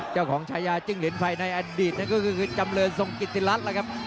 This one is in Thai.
เจ้าของชายาจิ้งเหลนไฟในอันดีตก็คือจำเรินทรงกิจติรัสครับ